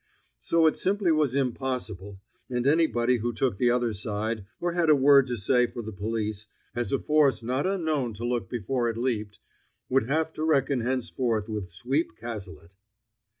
So it simply was impossible, and anybody who took the other side, or had a word to say for the police, as a force not unknown to look before it leaped, would have to reckon henceforth with Sweep Cazalet.